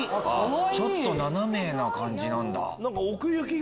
ちょっと斜めな感じなんだ。